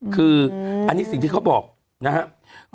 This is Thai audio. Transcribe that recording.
คืออันนี้สิ่งที่เขาบอกนะครับ